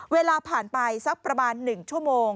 เวลาผ่านไปสักประมาณ๑ชั่วโมง